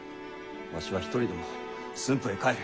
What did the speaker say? わしは一人でも駿府へ帰る。